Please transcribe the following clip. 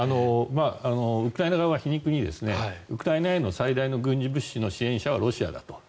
ウクライナ側は皮肉にウクライナへの最大の軍事物資の支援者はロシアだと。